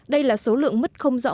đây là số lượng mứt không rõ